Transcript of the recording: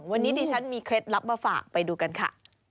วันนี้ดิฉันมีเคล็ดลับมาฝากไปดูกันค่ะ